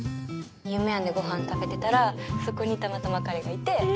夢庵でごはん食べてたらそこにたまたま彼がいて。